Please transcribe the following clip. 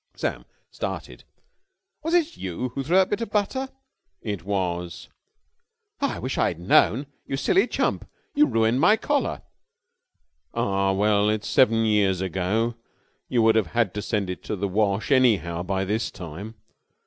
Sam started. "Was it you who threw that bit of butter?" "It was." "I wish I'd known! You silly chump, you ruined my collar." "Ah, well, it's seven years ago. You would have had to send it to the wash anyhow by this time.